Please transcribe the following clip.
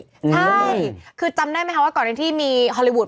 ใช่คือจำได้ไหมคะว่าก่อนนั้นที่มีฮอลลีวูด